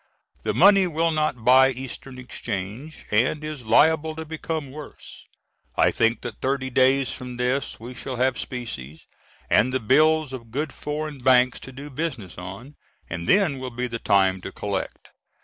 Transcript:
The money will not buy Eastern exchange and is liable to become worse; I think that thirty days from this we shall have specie, and the bills of good foreign banks to do business on, and then will be the time to collect.